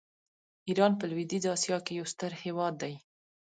ایران په لویدیځه آسیا کې یو ستر هېواد دی.